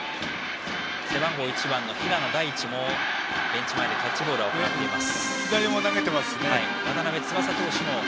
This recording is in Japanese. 背番号１番の平野大地もベンチ前キャッチボールを行います。